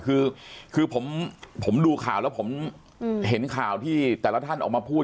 คือผมดูข่าวแล้วผมเห็นข่าวที่แต่ละท่านออกมาพูด